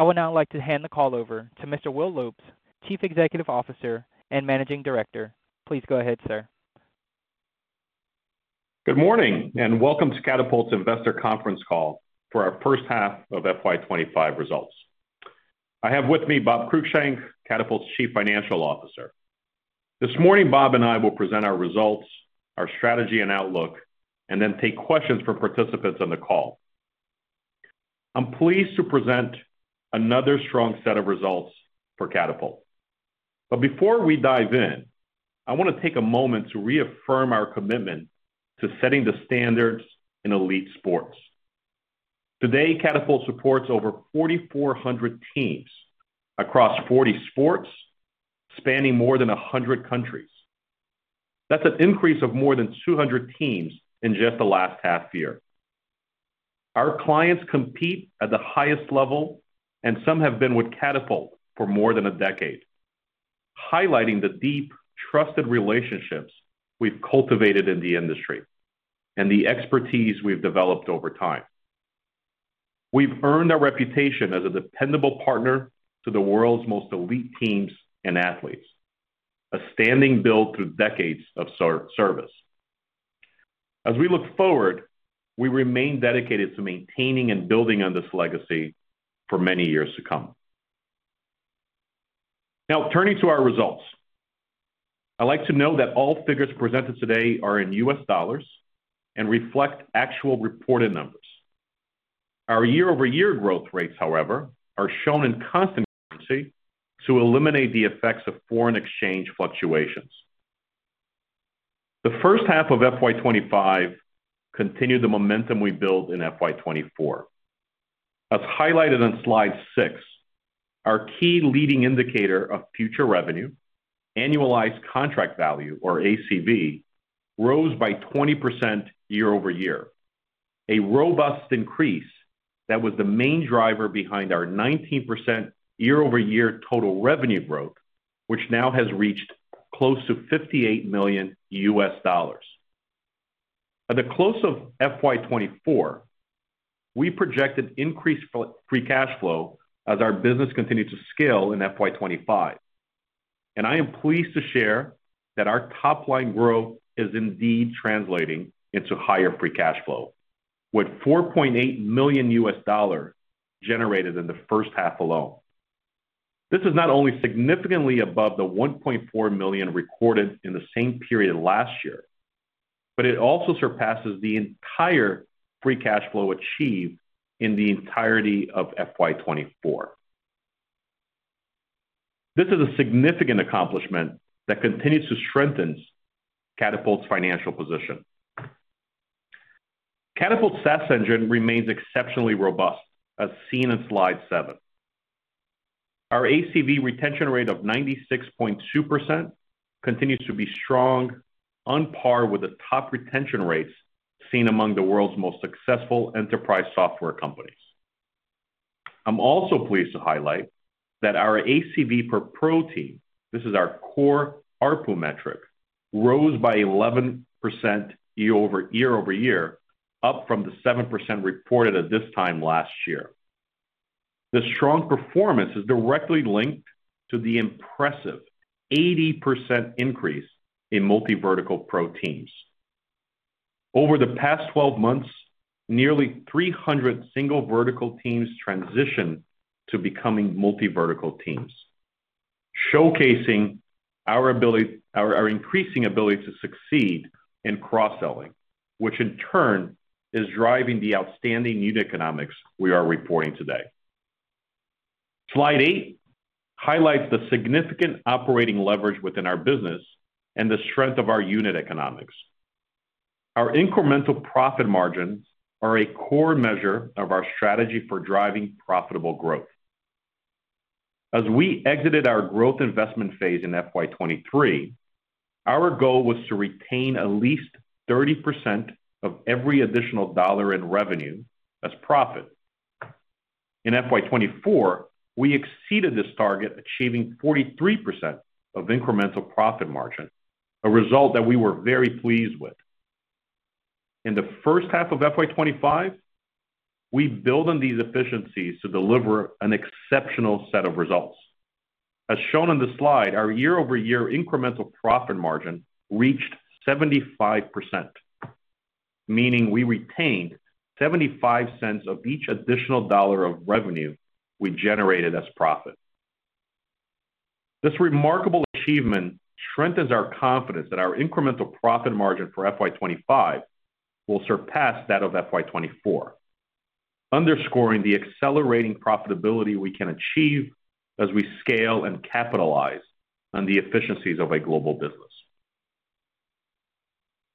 I would now like to hand the call over to Mr. Will Lopes, Chief Executive Officer and Managing Director. Please go ahead, sir. Good morning and welcome to Catapult's Investor Conference call for our first half of FY 2025 results. I have with me Bob Cruickshank, Catapult Chief Financial Officer. This morning, Bob and I will present our results, our strategy and outlook, and then take questions from participants on the call. I'm pleased to present another strong set of results for Catapult. But before we dive in, I want to take a moment to reaffirm our commitment to setting the standards in elite sports. Today, Catapult supports over 4,400 teams across 40 sports, spanning more than 100 countries. That's an increase of more than 200 teams in just the last half year. Our clients compete at the highest level, and some have been with Catapult for more than a decade, highlighting the deep, trusted relationships we've cultivated in the industry and the expertise we've developed over time. We've earned a reputation as a dependable partner to the world's most elite teams and athletes, a standing built through decades of service. As we look forward, we remain dedicated to maintaining and building on this legacy for many years to come. Now, turning to our results, I'd like to note that all figures presented today are in U.S. dollars and reflect actual reported numbers. Our year-over-year growth rates, however, are shown in constant currency to eliminate the effects of foreign exchange fluctuations. The first half of FY 2025 continued the momentum we built in FY 2024. As highlighted on slide six, our key leading indicator of future revenue, annualized contract value, or ACV, rose by 20% year-over-year, a robust increase that was the main driver behind our 19% year-over-year total revenue growth, which now has reached close to $58 million. At the close of FY 2024, we projected increased free cash flow as our business continued to scale in FY 2025, and I am pleased to share that our top-line growth is indeed translating into higher free cash flow, with $4.8 million generated in the first half alone. This is not only significantly above the $1.4 million recorded in the same period last year, but it also surpasses the entire free cash flow achieved in the entirety of FY 2024. This is a significant accomplishment that continues to strengthen Catapult's financial position. Catapult's SaaS engine remains exceptionally robust, as seen in slide seven. Our ACV retention rate of 96.2% continues to be strong, on par with the top retention rates seen among the world's most successful enterprise software companies. I'm also pleased to highlight that our ACV per Pro Team, this is our core ARPU metric, rose by 11% year-over-year, up from the 7% reported at this time last year. This strong performance is directly linked to the impressive 80% increase in multi-vertical pro teams. Over the past 12 months, nearly 300 single vertical teams transitioned to becoming multi-vertical teams, showcasing our increasing ability to succeed in cross-selling, which in turn is driving the outstanding unit economics we are reporting today. Slide eight highlights the significant operating leverage within our business and the strength of our unit economics. Our incremental profit margins are a core measure of our strategy for driving profitable growth. As we exited our growth investment phase in FY 2023, our goal was to retain at least 30% of every additional dollar in revenue as profit. In FY 2024, we exceeded this target, achieving 43% of incremental profit margin, a result that we were very pleased with. In the first half of FY 2025, we build on these efficiencies to deliver an exceptional set of results. As shown in the slide, our year-over-year incremental profit margin reached 75%, meaning we retained 75 cents of each additional dollar of revenue we generated as profit. This remarkable achievement strengthens our confidence that our incremental profit margin for FY 2025 will surpass that of FY 2024, underscoring the accelerating profitability we can achieve as we scale and capitalize on the efficiencies of a global business.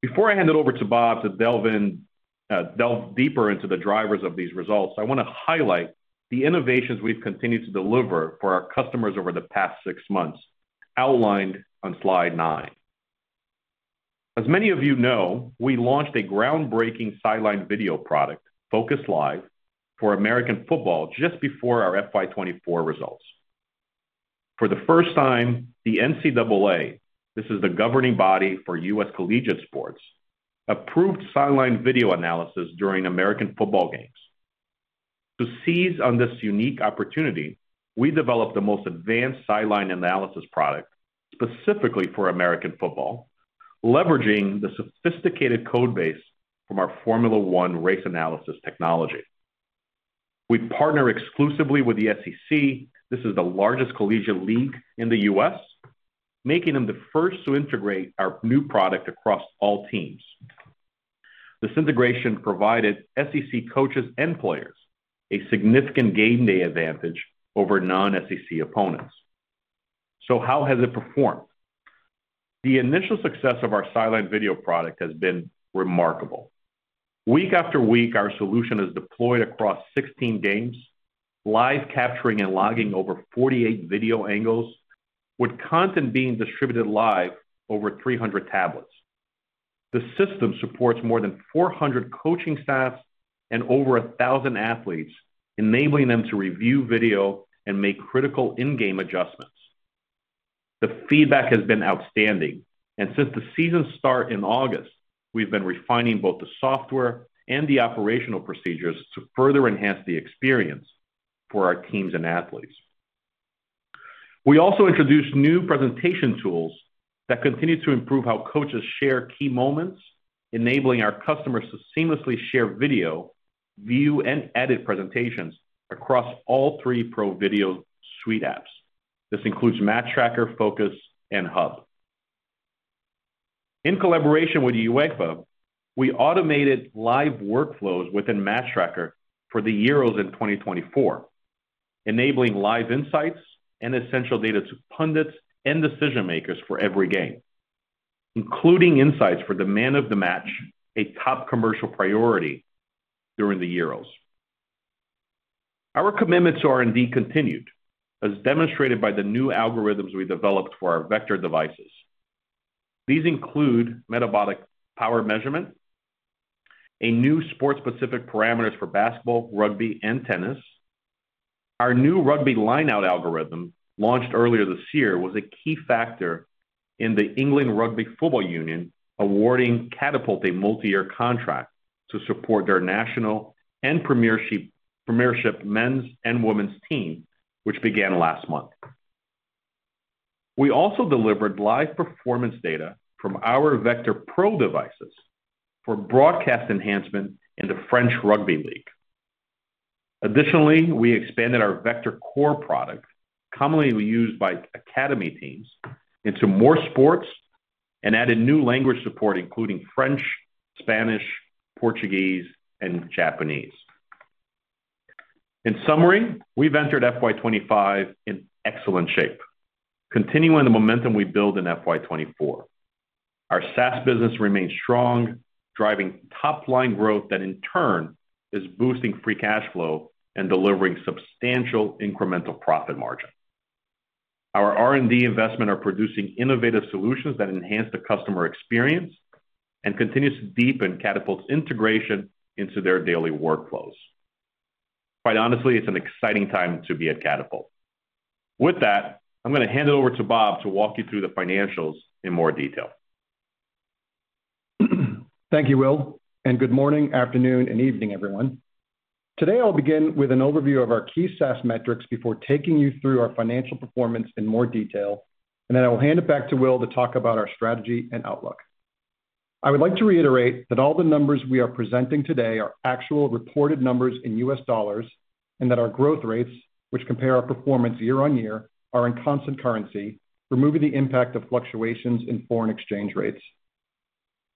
Before I hand it over to Bob to delve deeper into the drivers of these results, I want to highlight the innovations we've continued to deliver for our customers over the past six months, outlined on slide nine. As many of you know, we launched a groundbreaking sideline video product, Focus Live, for American football just before our FY 2024 results. For the first time, the NCAA, this is the governing body for U.S. collegiate sports, approved sideline video analysis during American football games. To seize on this unique opportunity, we developed the most advanced sideline analysis product specifically for American football, leveraging the sophisticated code base from our Formula One race analysis technology. We partner exclusively with the SEC. This is the largest collegiate league in the U.S., making them the first to integrate our new product across all teams. This integration provided SEC coaches and players a significant game day advantage over non-SEC opponents. So how has it performed? The initial success of our sideline video product has been remarkable. Week after week, our solution is deployed across 16 games, live capturing and logging over 48 video angles, with content being distributed live over 300 tablets. The system supports more than 400 coaching staffs and over 1,000 athletes, enabling them to review video and make critical in-game adjustments. The feedback has been outstanding, and since the season start in August, we've been refining both the software and the operational procedures to further enhance the experience for our teams and athletes. We also introduced new presentation tools that continue to improve how coaches share key moments, enabling our customers to seamlessly share video, view, and edit presentations across all three Pro Video Suite apps. This includes MatchTracker, Focus, and Hub. In collaboration with UEFA, we automated live workflows within MatchTracker for the Euros in 2024, enabling live insights and essential data to pundits and decision makers for every game, including insights for the Man of the Match, a top commercial priority during the Euros. Our commitments are indeed continued, as demonstrated by the new algorithms we developed for our Vector devices. These include metabolic power measurement, a new sport-specific parameters for basketball, rugby, and tennis. Our new rugby lineout algorithm, launched earlier this year, was a key factor in the England Rugby Football Union awarding Catapult a multi-year contract to support their national and Premiership men's and women's team, which began last month. We also delivered live performance data from our Vector Pro devices for broadcast enhancement in the French Rugby League. Additionally, we expanded our Vector Core product, commonly used by academy teams, into more sports and added new language support, including French, Spanish, Portuguese, and Japanese. In summary, we've entered FY 2025 in excellent shape, continuing the momentum we built in FY 2024. Our SaaS business remains strong, driving top-line growth that, in turn, is boosting free cash flow and delivering substantial incremental profit margin. Our R&D investments are producing innovative solutions that enhance the customer experience and continue to deepen Catapult's integration into their daily workflows. Quite honestly, it's an exciting time to be at Catapult. With that, I'm going to hand it over to Bob to walk you through the financials in more detail. Thank you, Will. Good morning, afternoon, and evening, everyone. Today, I'll begin with an overview of our key SaaS metrics before taking you through our financial performance in more detail, and then I will hand it back to Will to talk about our strategy and outlook. I would like to reiterate that all the numbers we are presenting today are actual reported numbers in U.S. dollars and that our growth rates, which compare our performance year-on-year, are in constant currency, removing the impact of fluctuations in foreign exchange rates.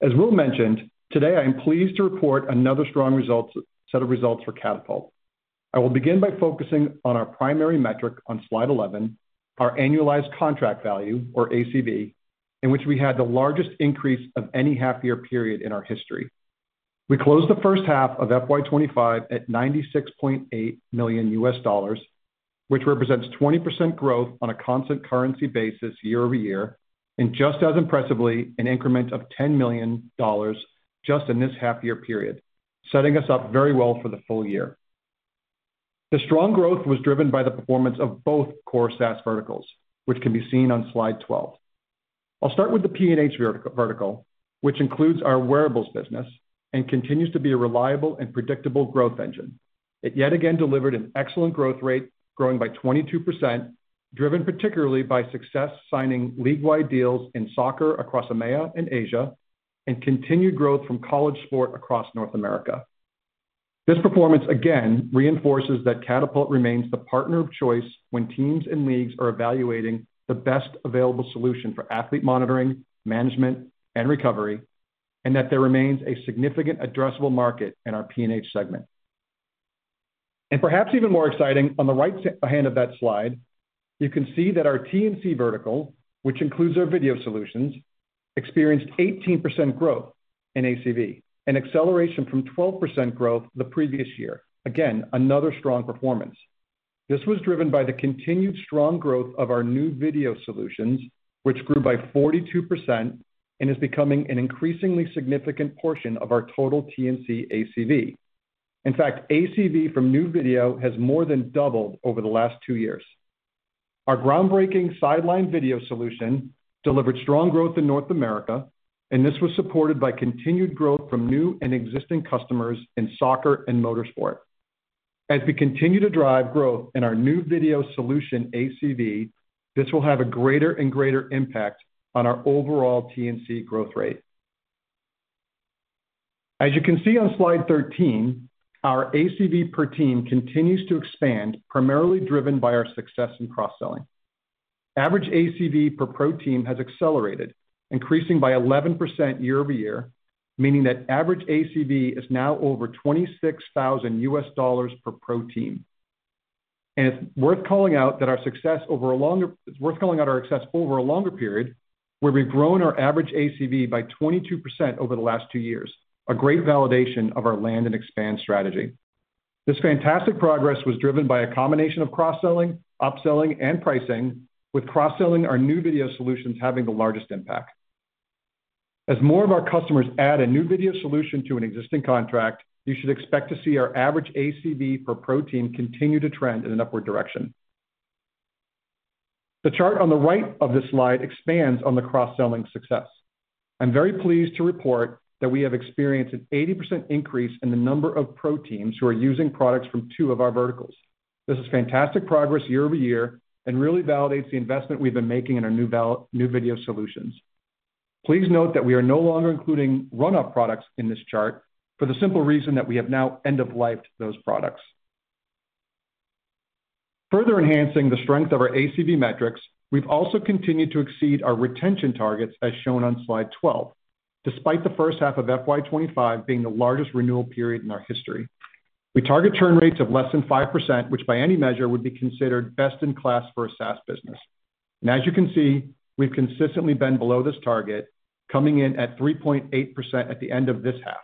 As Will mentioned, today, I am pleased to report another strong set of results for Catapult. I will begin by focusing on our primary metric on slide 11, our annualized contract value, or ACV, in which we had the largest increase of any half-year period in our history. We closed the first half of FY 2025 at $96.8 million U.S. dollars, which represents 20% growth on a constant currency basis year-over-year, and just as impressively, an increment of $10 million just in this half-year period, setting us up very well for the full year. The strong growth was driven by the performance of both core SaaS verticals, which can be seen on slide 12. I'll start with the P&H vertical, which includes our wearables business and continues to be a reliable and predictable growth engine. It yet again delivered an excellent growth rate, growing by 22%, driven particularly by success signing league-wide deals in soccer across EMEA and Asia and continued growth from college sport across North America. This performance, again, reinforces that Catapult remains the partner of choice when teams and leagues are evaluating the best available solution for athlete monitoring, management, and recovery, and that there remains a significant addressable market in our P&H segment. Perhaps even more exciting, on the right-hand side of that slide, you can see that our T&C vertical, which includes our video solutions, experienced 18% growth in ACV, an acceleration from 12% growth the previous year. Again, another strong performance. This was driven by the continued strong growth of our new video solutions, which grew by 42% and is becoming an increasingly significant portion of our total T&C ACV. In fact, ACV from new video has more than doubled over the last two years. Our groundbreaking sideline video solution delivered strong growth in North America, and this was supported by continued growth from new and existing customers in soccer and motorsport. As we continue to drive growth in our new video solution ACV, this will have a greater and greater impact on our overall T&C growth rate. As you can see on slide 13, our ACV per team continues to expand, primarily driven by our success in cross-selling. Average ACV per pro team has accelerated, increasing by 11% year-over-year, meaning that average ACV is now over $26,000 per pro team, and it's worth calling out that our success over a longer period, where we've grown our average ACV by 22% over the last two years, a great validation of our land and expand strategy. This fantastic progress was driven by a combination of cross-selling, upselling, and pricing, with cross-selling our new video solutions having the largest impact. As more of our customers add a new video solution to an existing contract, you should expect to see our average ACV per pro team continue to trend in an upward direction. The chart on the right of this slide expands on the cross-selling success. I'm very pleased to report that we have experienced an 80% increase in the number of pro teams who are using products from two of our verticals. This is fantastic progress year-over-year and really validates the investment we've been making in our new video solutions. Please note that we are no longer including run-up products in this chart for the simple reason that we have now end-of-life those products. Further enhancing the strength of our ACV metrics, we've also continued to exceed our retention targets, as shown on slide 12, despite the first half of FY 2025 being the largest renewal period in our history. We target churn rates of less than 5%, which by any measure would be considered best in class for a SaaS business. And as you can see, we've consistently been below this target, coming in at 3.8% at the end of this half.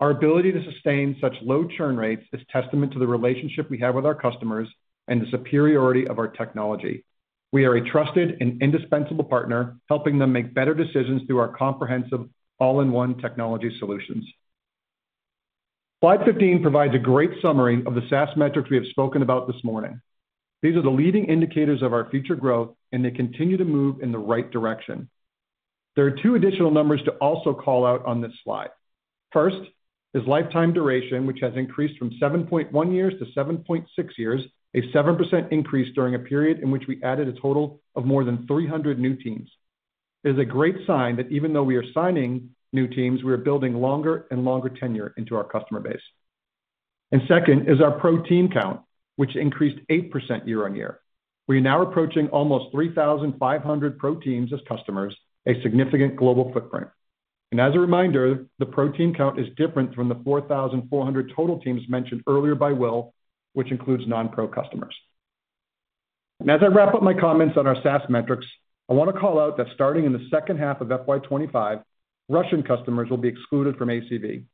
Our ability to sustain such low churn rates is testament to the relationship we have with our customers and the superiority of our technology. We are a trusted and indispensable partner, helping them make better decisions through our comprehensive all-in-one technology solutions. Slide 15 provides a great summary of the SaaS metrics we have spoken about this morning. These are the leading indicators of our future growth, and they continue to move in the right direction. There are two additional numbers to also call out on this slide. First is lifetime duration, which has increased from 7.1 years to 7.6 years, a 7% increase during a period in which we added a total of more than 300 new teams. It is a great sign that even though we are signing new teams, we are building longer and longer tenure into our customer base. Second is our pro team count, which increased 8% year-on-year. We are now approaching almost 3,500 pro teams as customers, a significant global footprint. And as a reminder, the pro team count is different from the 4,400 total teams mentioned earlier by Will, which includes non-pro customers. And as I wrap up my comments on our SaaS metrics, I want to call out that starting in the second half of FY 2025, Russian customers will be excluded from ACV.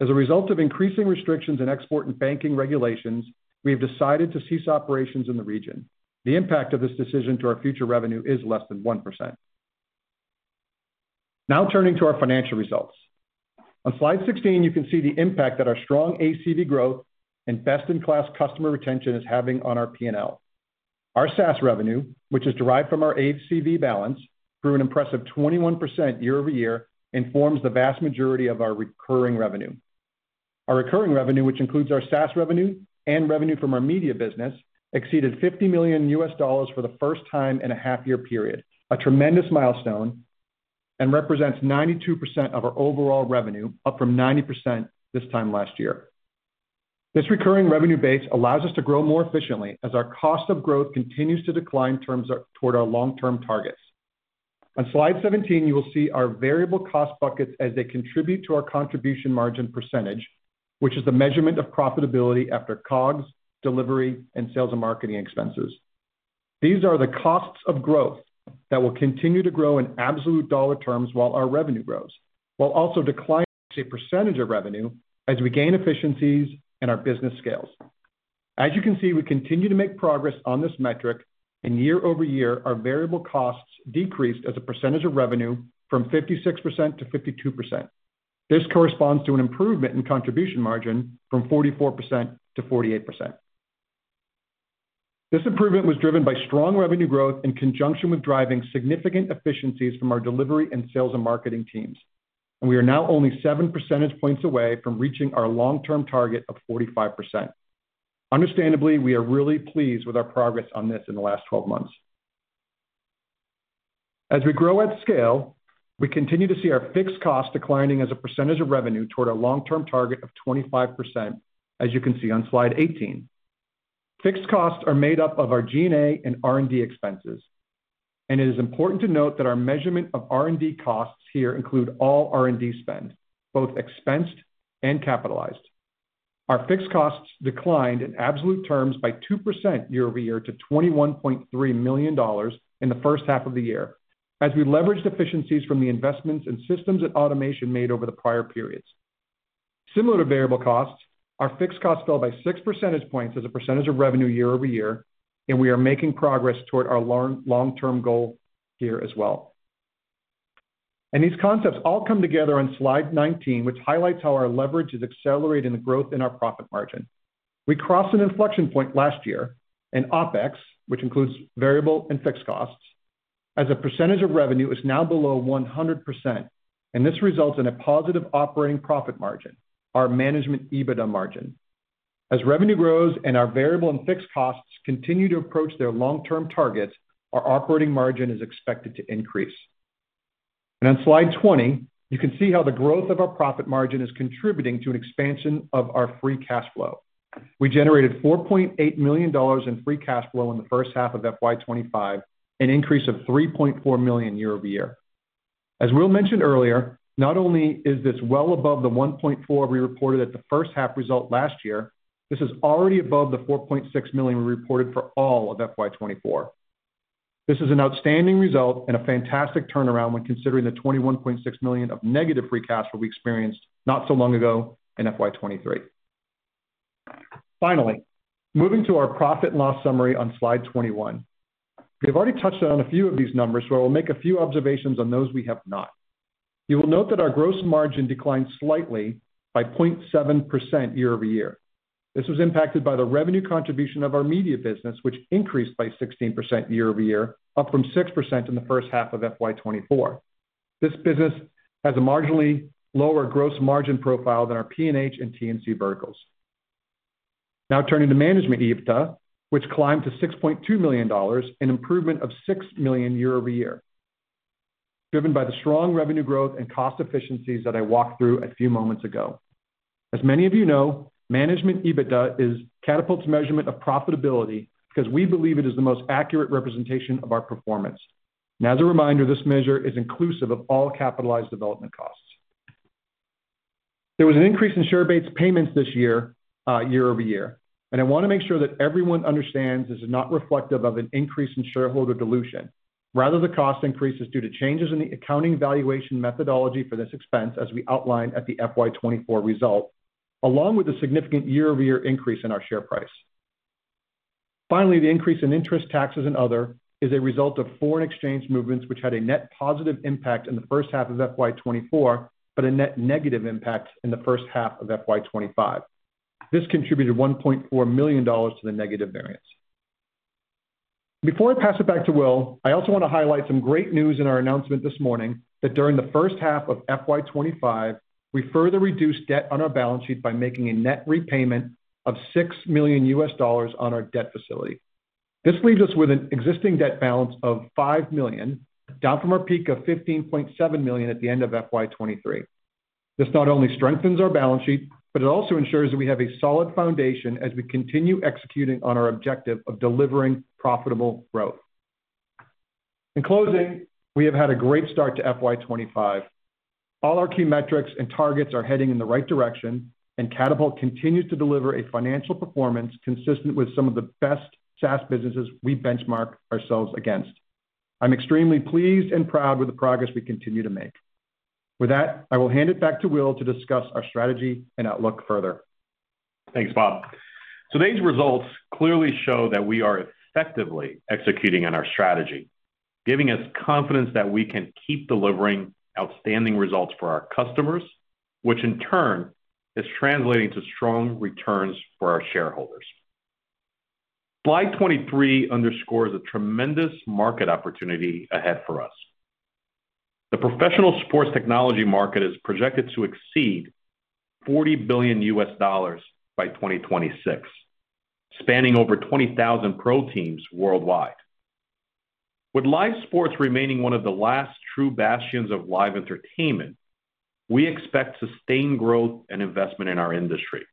As a result of increasing restrictions in export and banking regulations, we have decided to cease operations in the region. The impact of this decision to our future revenue is less than 1%. Now turning to our financial results. On slide 16, you can see the impact that our strong ACV growth and best-in-class customer retention is having on our P&L. Our SaaS revenue, which is derived from our ACV balance, grew an impressive 21% year-over-year and forms the vast majority of our recurring revenue. Our recurring revenue, which includes our SaaS revenue and revenue from our media business, exceeded $50 million for the first time in a half-year period, a tremendous milestone, and represents 92% of our overall revenue, up from 90% this time last year. This recurring revenue base allows us to grow more efficiently as our cost of growth continues to decline toward our long-term targets. On slide 17, you will see our variable cost buckets as they contribute to our contribution margin percentage, which is the measurement of profitability after COGS, delivery, and sales and marketing expenses. These are the costs of growth that will continue to grow in absolute dollar terms while our revenue grows, while also declining as a percentage of revenue as we gain efficiencies and our business scales. As you can see, we continue to make progress on this metric, and year-over-year, our variable costs decreased as a percentage of revenue from 56% to 52%. This corresponds to an improvement in contribution margin from 44% to 48%. This improvement was driven by strong revenue growth in conjunction with driving significant efficiencies from our delivery and sales and marketing teams. And we are now only 7 percentage points away from reaching our long-term target of 45%. Understandably, we are really pleased with our progress on this in the last 12 months. As we grow at scale, we continue to see our fixed costs declining as a percentage of revenue toward our long-term target of 25%, as you can see on slide 18. Fixed costs are made up of our G&A and R&D expenses. It is important to note that our measurement of R&D costs here includes all R&D spend, both expensed and capitalized. Our fixed costs declined in absolute terms by 2% year-over-year to $21.3 million in the first half of the year, as we leveraged efficiencies from the investments and systems and automation made over the prior periods. Similar to variable costs, our fixed costs fell by 6 percentage points as a percentage of revenue year-over-year, and we are making progress toward our long-term goal here as well. These concepts all come together on slide 19, which highlights how our leverage is accelerating the growth in our profit margin. We crossed an inflection point last year, and OpEx, which includes variable and fixed costs, as a percentage of revenue is now below 100%. This results in a positive operating profit margin, our Management EBITDA margin. As revenue grows and our variable and fixed costs continue to approach their long-term targets, our operating margin is expected to increase. On slide 20, you can see how the growth of our profit margin is contributing to an expansion of our free cash flow. We generated $4.8 million in free cash flow in the first half of FY 2025, an increase of $3.4 million year-over-year. As Will mentioned earlier, not only is this well above the $1.4 million we reported at the first half result last year, this is already above the $4.6 million we reported for all of FY 2024. This is an outstanding result and a fantastic turnaround when considering the $21.6 million of negative free cash flow we experienced not so long ago in FY 2023. Finally, moving to our profit and loss summary on slide 21. We have already touched on a few of these numbers, but I will make a few observations on those we have not. You will note that our gross margin declined slightly by 0.7% year-over-year. This was impacted by the revenue contribution of our media business, which increased by 16% year-over-year, up from 6% in the first half of FY 2024. This business has a marginally lower gross margin profile than our P&H and T&C verticals. Now turning to management EBITDA, which climbed to $6.2 million, an improvement of $6 million year-over-year, driven by the strong revenue growth and cost efficiencies that I walked through a few moments ago. As many of you know, management EBITDA is Catapult's measurement of profitability because we believe it is the most accurate representation of our performance. As a reminder, this measure is inclusive of all capitalized development costs. There was an increase in share-based payments this year, year-over-year. I want to make sure that everyone understands this is not reflective of an increase in shareholder dilution. Rather, the cost increase is due to changes in the accounting valuation methodology for this expense, as we outlined at the FY 2024 results, along with a significant year-over-year increase in our share price. Finally, the increase in interest, taxes, and other is a result of foreign exchange movements, which had a net positive impact in the first half of FY 2024, but a net negative impact in the first half of FY 2025. This contributed $1.4 million to the negative variance. Before I pass it back to Will, I also want to highlight some great news in our announcement this morning that during the first half of FY 2025, we further reduced debt on our balance sheet by making a net repayment of $6 million on our debt facility. This leaves us with an existing debt balance of $5 million, down from our peak of $15.7 million at the end of FY 2023. This not only strengthens our balance sheet, but it also ensures that we have a solid foundation as we continue executing on our objective of delivering profitable growth. In closing, we have had a great start to FY 2025. All our key metrics and targets are heading in the right direction, and Catapult continues to deliver a financial performance consistent with some of the best SaaS businesses we benchmark ourselves against. I'm extremely pleased and proud with the progress we continue to make. With that, I will hand it back to Will to discuss our strategy and outlook further. Thanks, Bob. So these results clearly show that we are effectively executing on our strategy, giving us confidence that we can keep delivering outstanding results for our customers, which in turn is translating to strong returns for our shareholders. Slide 23 underscores a tremendous market opportunity ahead for us. The professional sports technology market is projected to exceed $40 billion by 2026, spanning over 20,000 pro teams worldwide. With live sports remaining one of the last true bastions of live entertainment, we expect sustained growth and investment in our industry.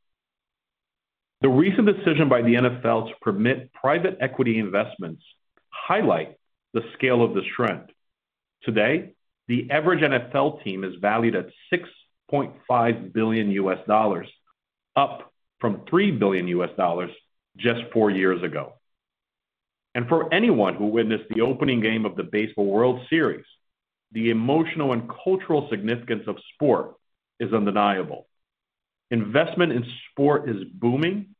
The recent decision by the NFL to permit private equity investments highlights the scale of this trend. Today, the average NFL team is valued at $6.5 billion, up from $3 billion just four years ago. For anyone who witnessed the opening game of the Baseball World Series, the emotional and cultural significance of sport is undeniable. Investment in sport is booming,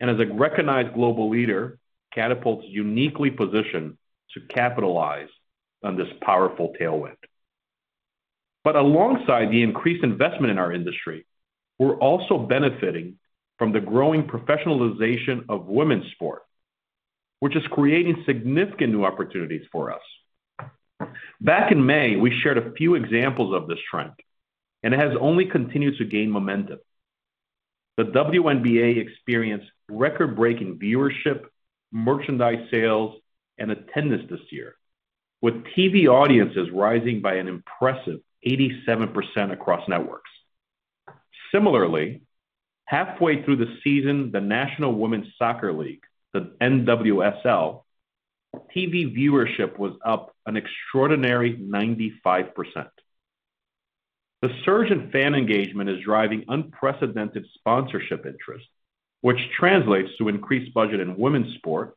and as a recognized global leader, Catapult is uniquely positioned to capitalize on this powerful tailwind. Alongside the increased investment in our industry, we're also benefiting from the growing professionalization of women's sport, which is creating significant new opportunities for us. Back in May, we shared a few examples of this trend, and it has only continued to gain momentum. The WNBA experienced record-breaking viewership, merchandise sales, and attendance this year, with TV audiences rising by an impressive 87% across networks. Similarly, halfway through the season, the National Women's Soccer League, the NWSL, TV viewership was up an extraordinary 95%. The surge in fan engagement is driving unprecedented sponsorship interest, which translates to increased budget in women's sport,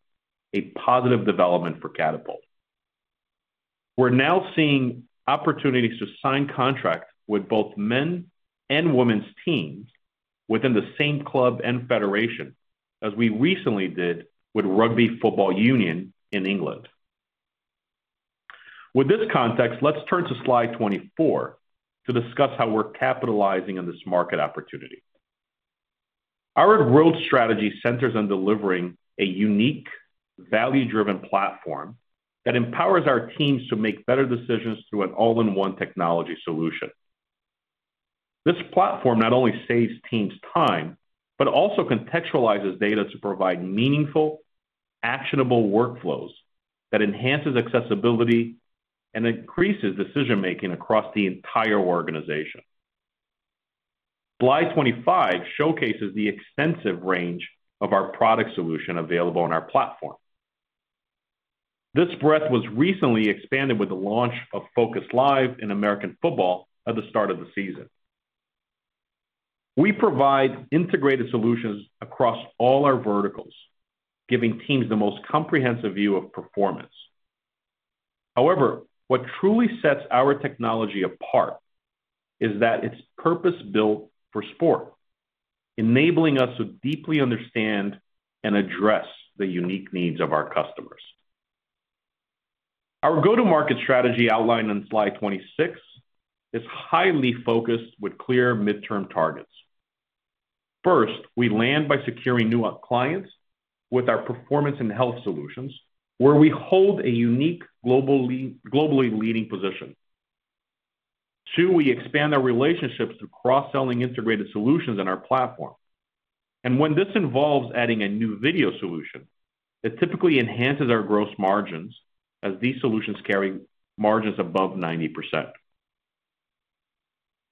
a positive development for Catapult. We're now seeing opportunities to sign contracts with both men's and women's teams within the same club and federation, as we recently did with England Rugby Football Union. With this context, let's turn to slide 24 to discuss how we're capitalizing on this market opportunity. Our growth strategy centers on delivering a unique, value-driven platform that empowers our teams to make better decisions through an all-in-one technology solution. This platform not only saves teams time, but also contextualizes data to provide meaningful, actionable workflows that enhance accessibility and increase decision-making across the entire organization. Slide 25 showcases the extensive range of our product solution available on our platform. This breadth was recently expanded with the launch of Focus Live in American football at the start of the season. We provide integrated solutions across all our verticals, giving teams the most comprehensive view of performance. However, what truly sets our technology apart is that it's purpose-built for sport, enabling us to deeply understand and address the unique needs of our customers. Our go-to-market strategy outlined on slide 26 is highly focused with clear midterm targets. First, we land by securing new clients with our performance and health solutions, where we hold a unique globally leading position. Two, we expand our relationships through cross-selling integrated solutions on our platform. And when this involves adding a new video solution, it typically enhances our gross margins as these solutions carry margins above 90%.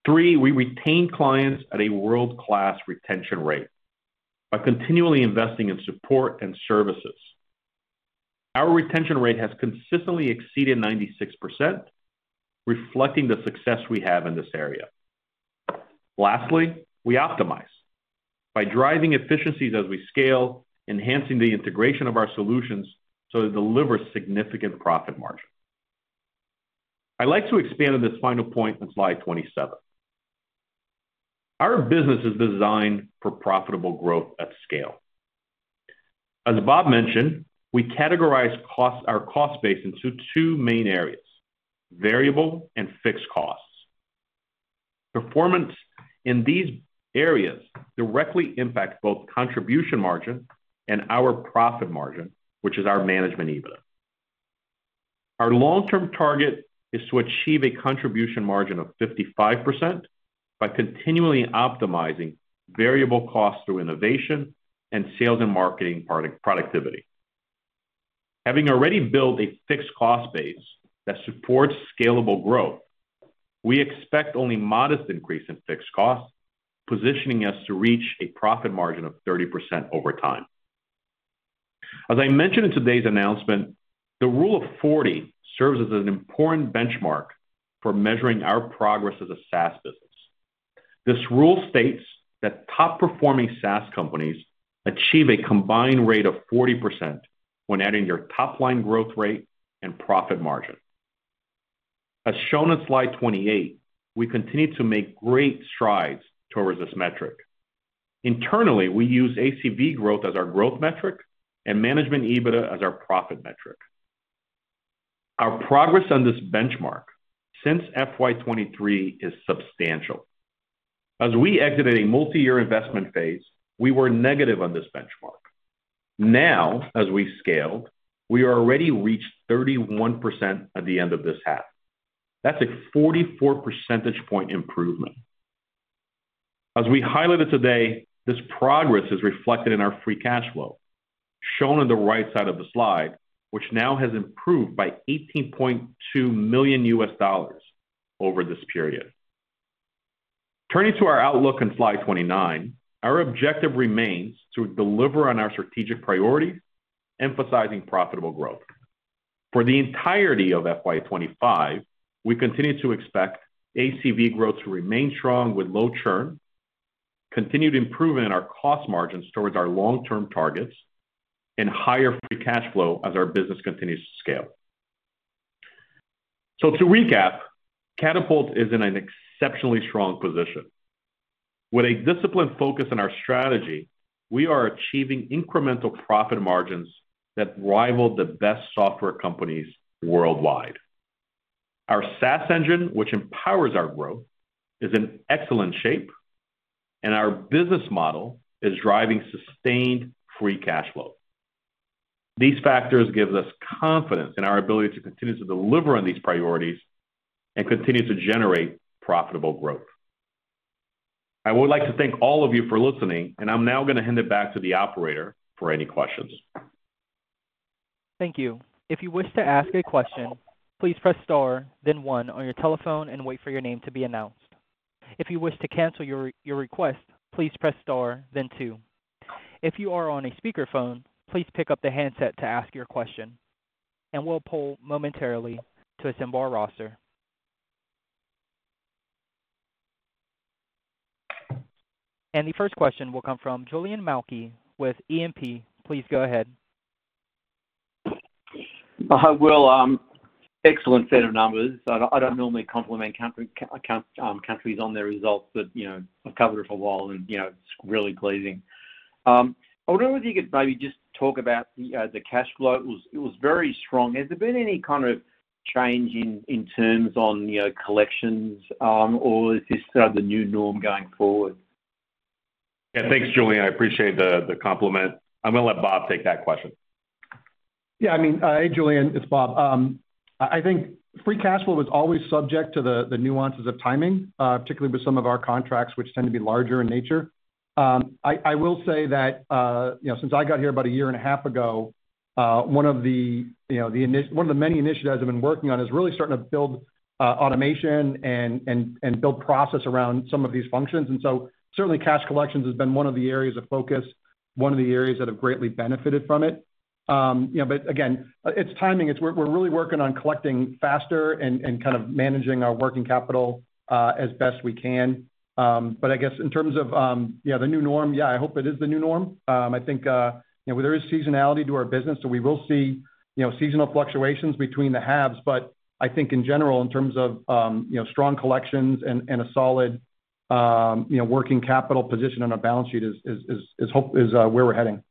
Three, we retain clients at a world-class retention rate by continually investing in support and services. Our retention rate has consistently exceeded 96%, reflecting the success we have in this area. Lastly, we optimize by driving efficiencies as we scale, enhancing the integration of our solutions so it delivers significant profit margin. I'd like to expand on this final point on slide 27. Our business is designed for profitable growth at scale. As Bob mentioned, we categorize our cost base into two main areas: variable and fixed costs. Performance in these areas directly impacts both contribution margin and our profit margin, which is our management EBITDA. Our long-term target is to achieve a contribution margin of 55% by continually optimizing variable costs through innovation and sales and marketing productivity. Having already built a fixed cost base that supports scalable growth, we expect only a modest increase in fixed costs, positioning us to reach a profit margin of 30% over time. As I mentioned in today's announcement, the Rule of 40 serves as an important benchmark for measuring our progress as a SaaS business. This rule states that top-performing SaaS companies achieve a combined rate of 40% when adding their top-line growth rate and profit margin. As shown on slide 28, we continue to make great strides towards this metric. Internally, we use ACV growth as our growth metric and management EBITDA as our profit metric. Our progress on this benchmark since FY 2023 is substantial. As we exited a multi-year investment phase, we were negative on this benchmark. Now, as we scaled, we already reached 31% at the end of this half. That's a 44 percentage point improvement. As we highlighted today, this progress is reflected in our free cash flow, shown on the right side of the slide, which now has improved by $18.2 million over this period. Turning to our outlook on slide 29, our objective remains to deliver on our strategic priorities, emphasizing profitable growth. For the entirety of FY 2025, we continue to expect ACV growth to remain strong with low churn, continued improvement in our cost margins toward our long-term targets, and higher free cash flow as our business continues to scale, so to recap, Catapult is in an exceptionally strong position. With a disciplined focus on our strategy, we are achieving incremental profit margins that rival the best software companies worldwide. Our SaaS engine, which empowers our growth, is in excellent shape, and our business model is driving sustained free cash flow. These factors give us confidence in our ability to continue to deliver on these priorities and continue to generate profitable growth. I would like to thank all of you for listening, and I'm now going to hand it back to the operator for any questions. Thank you. If you wish to ask a question, please press star, then one on your telephone, and wait for your name to be announced. If you wish to cancel your request, please press star, then two. If you are on a speakerphone, please pick up the handset to ask your question, and we'll poll momentarily to assemble our roster. The first question will come from Julian Mulcahy with EMP. Please go ahead. Excellent set of numbers. I don't normally compliment companies on their results, but I've covered it for a while, and it's really pleasing. I wonder whether you could maybe just talk about the cash flow. It was very strong. Has there been any kind of change in terms on collections, or is this sort of the new norm going forward? Yeah, thanks, Julian. I appreciate the compliment. I'm going to let Bob take that question. Yeah, I mean, hey, Julian, it's Bob. I think free cash flow is always subject to the nuances of timing, particularly with some of our contracts, which tend to be larger in nature. I will say that since I got here about a year and a half ago, one of the many initiatives I've been working on is really starting to build automation and build process around some of these functions. And so certainly, cash collections has been one of the areas of focus, one of the areas that have greatly benefited from it. But again, it's timing. We're really working on collecting faster and kind of managing our working capital as best we can. But I guess in terms of the new norm, yeah, I hope it is the new norm. I think there is seasonality to our business, so we will see seasonal fluctuations between the halves. But I think in general, in terms of strong collections and a solid working capital position on our balance sheet is where we're heading.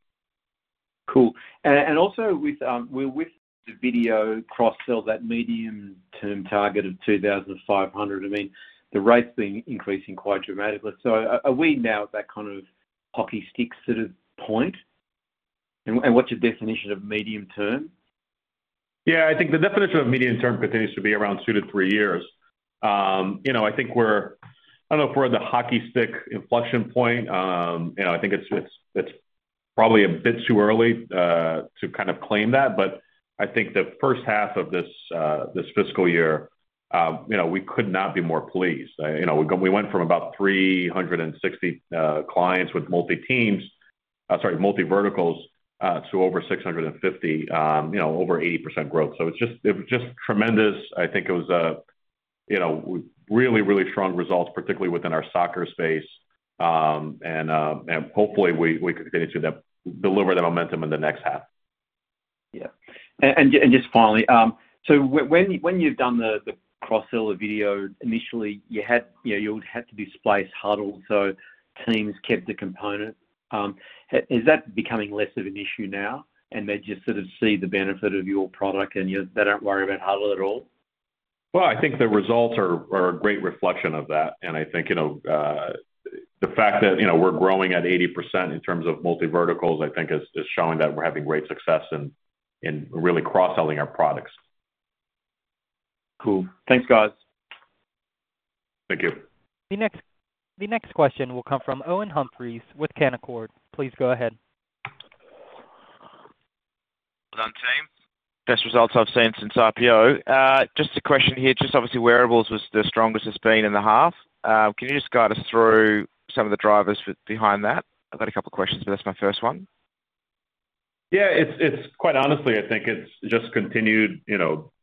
Cool, and also, we're with the video cross-sell that medium-term target of 2,500. I mean, the rate's been increasing quite dramatically. So are we now at that kind of hockey stick sort of point? And what's your definition of medium-term? Yeah, I think the definition of medium-term continues to be around two to three years. I think we're, I don't know if we're at the hockey stick inflection point. I think it's probably a bit too early to kind of claim that. But I think the first half of this fiscal year, we could not be more pleased. We went from about 360 clients with multi-teams, sorry, multi-verticals, to over 650, over 80% growth. So it was just tremendous. I think it was really, really strong results, particularly within our soccer space. And hopefully, we continue to deliver that momentum in the next half. Yeah. And just finally, so when you've done the cross-sell video, initially, you had to displace Hudl so teams kept the component. Is that becoming less of an issue now, and they just sort of see the benefit of your product, and they don't worry about Hudl at all? I think the results are a great reflection of that. I think the fact that we're growing at 80% in terms of multi-verticals, I think, is showing that we're having great success in really cross-selling our products. Cool. Thanks, guys. Thank you. The next question will come from Owen Humphries with Canaccord. Please go ahead. Hold on, Sam. Best results I've seen since IPO. Just a question here. Just obviously, wearables was the strongest it's been in the half. Can you just guide us through some of the drivers behind that? I've got a couple of questions, but that's my first one. Yeah. Quite honestly, I think it's just continued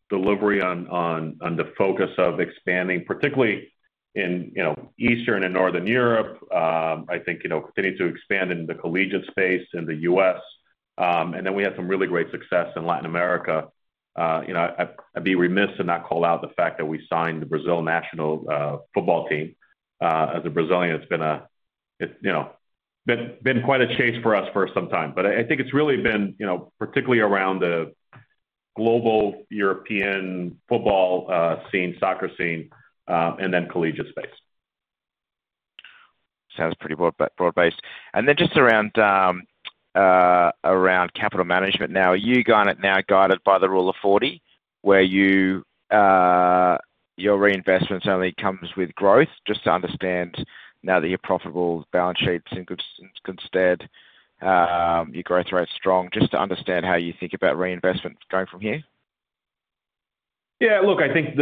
delivery on the focus of expanding, particularly in Eastern and Northern Europe. I think continuing to expand in the collegiate space in the U.S. And then we had some really great success in Latin America. I'd be remiss to not call out the fact that we signed the Brazil National Football Team. As a Brazilian, it's been quite a chase for us for some time. But I think it's really been particularly around the global European football scene, soccer scene, and then collegiate space. Sounds pretty broad-based. And then just around capital management now, are you now guided by the Rule of 40, where your reinvestment certainly comes with growth? Just to understand now that you're profitable, balance sheet's in good stead, your growth rate's strong. Just to understand how you think about reinvestment going from here. Yeah. Look, I think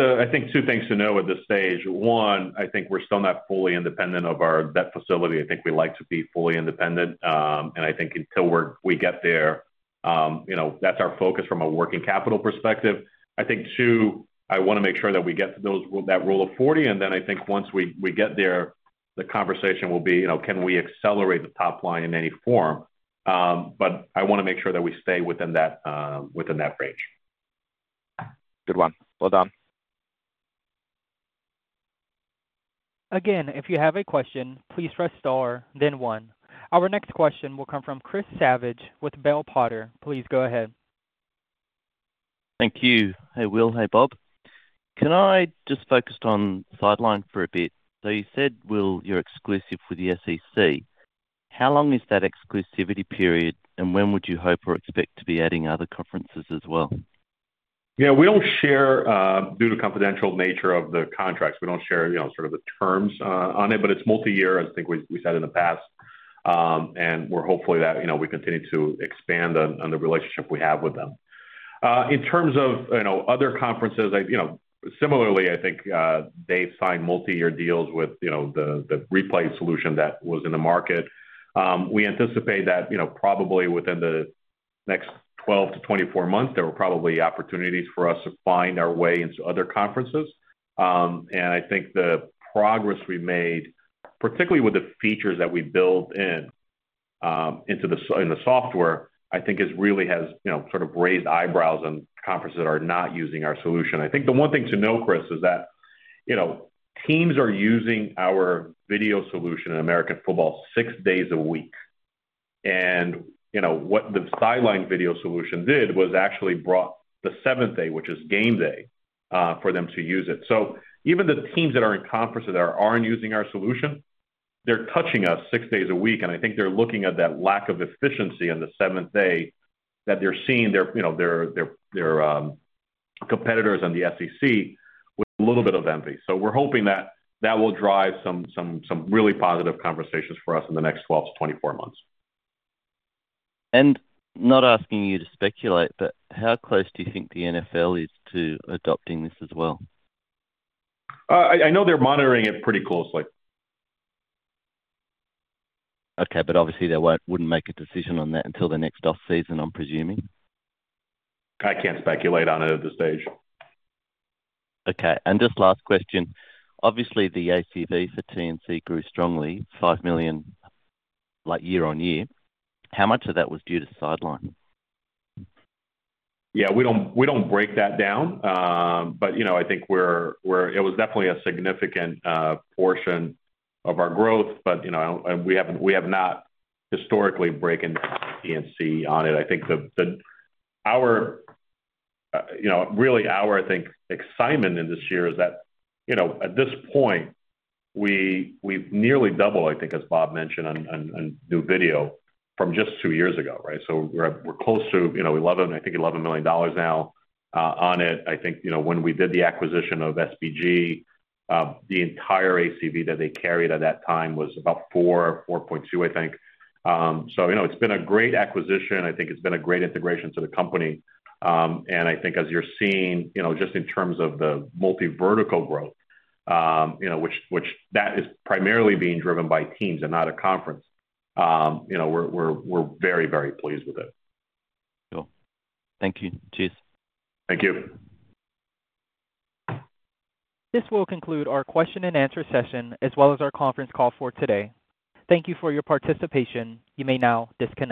two things to know at this stage. One, I think we're still not fully independent of our debt facility. I think we like to be fully independent. And I think until we get there, that's our focus from a working capital perspective. I think, two, I want to make sure that we get to that Rule of 40. And then I think once we get there, the conversation will be, can we accelerate the top line in any form? But I want to make sure that we stay within that range. Good one. Well done. Again, if you have a question, please press star, then one. Our next question will come from Chris Savage with Bell Potter. Please go ahead. Thank you. Hey, Will. Hey, Bob. Can I just focus on sideline for a bit? So you said you're exclusive with the SEC. How long is that exclusivity period, and when would you hope or expect to be adding other conferences as well? Yeah. We don't share due to the confidential nature of the contracts. We don't share sort of the terms on it, but it's multi-year, as I think we said in the past, and we're hopeful that we continue to expand on the relationship we have with them. In terms of other conferences, similarly, I think they've signed multi-year deals with the replay solution that was in the market. We anticipate that probably within the next 12-24 months, there will probably be opportunities for us to find our way into other conferences, and I think the progress we've made, particularly with the features that we built into the software, I think has really sort of raised eyebrows in conferences that are not using our solution. I think the one thing to know, Chris, is that teams are using our video solution in American football six days a week. What the sideline video solution did was actually brought the seventh day, which is game day, for them to use it. So even the teams that are in conferences that aren't using our solution, they're touching us six days a week. And I think they're looking at that lack of efficiency on the seventh day that they're seeing their competitors on the SEC with a little bit of envy. So we're hoping that that will drive some really positive conversations for us in the next 12-24 months. Not asking you to speculate, but how close do you think the NFL is to adopting this as well? I know they're monitoring it pretty closely. Okay. But obviously, they wouldn't make a decision on that until the next off-season, I'm presuming? I can't speculate on it at this stage. Okay. And just last question. Obviously, the ACV for T&C grew strongly, $5 million year on year. How much of that was due to sideline? Yeah. We don't break that down. But I think it was definitely a significant portion of our growth. But we have not historically broken T&C on it. I think really our, I think, excitement in this year is that at this point, we've nearly doubled, I think, as Bob mentioned, on new video from just two years ago, right? So we're close to, I think, $11 million now on it. I think when we did the acquisition of SBG, the entire ACV that they carried at that time was about $4 million to $4.2 million, I think. So it's been a great acquisition. I think it's been a great integration to the company. And I think as you're seeing, just in terms of the multi-vertical growth, which that is primarily being driven by teams and not a conference, we're very, very pleased with it. Cool. Thank you. Cheers. Thank you. This will conclude our question-and-answer session as well as our conference call for today. Thank you for your participation. You may now disconnect.